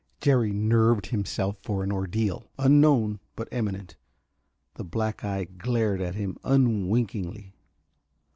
Jerry nerved himself for an ordeal, unknown but imminent. The black eye glared at him unwinkingly.